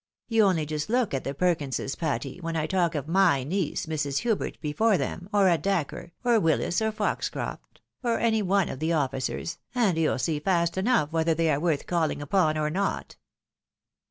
You only just look at the Perkinses, Patty, when I 138 THE WIDOW MARRIED. talk of my niece, Mrs. Hubert, before them, or at Dacre, or Willis, or Foxcroft, or any one of the oflScers, and you'U see fast enough whether they are worth calling upon or not."